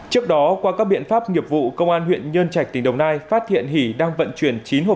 trước đó qua các biện pháp nghiệp vụ công an huyện nhân trạch tỉnh đồng nai phát hiện hỷ đang vận chuyển chín hộp